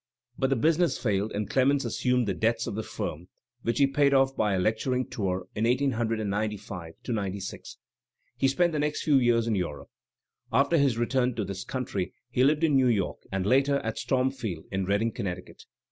But the business failed and Clemens assumed the debts of the firm, which he paid off by a lecturing tour in 1895 96. He spent the next few years in Europe. After his return to this coimtry he lived in New York and later at "Stormfield" in Redding, Connecticut.